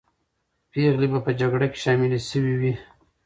پېغلې به په جګړه کې شاملې سوې وې.